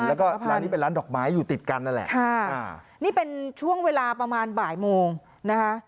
แล้วก็ร้านนี้เป็นร้านดอกไม้อยู่ติดกันนั่นแหละค่ะอ่านี่เป็นช่วงเวลาประมาณบ่ายโมงนะคะ